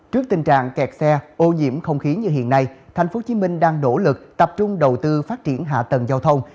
trước tình trạng kẹt xe ô nhiễm không khí như hiện nay tp hcm đang nỗ lực tập trung đầu tư phát triển hạ tầng giao thông